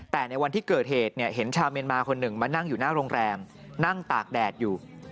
แต่ในวันที่เกิดเหตุเห็นชาวเมียนมาคนหนึ่งมานั่งอยู่หน้าโรงแรมนั่งตากแดดอยู่